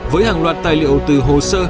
với hàng loạt tài liệu từ hồ sơ